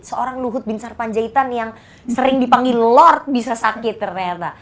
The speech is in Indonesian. seorang luhut bin sarpanjaitan yang sering dipanggil lord bisa sakit ternyata